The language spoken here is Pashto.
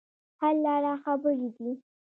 حل لاره خبرې دي.